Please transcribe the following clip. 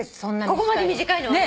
ここまで短いのはね。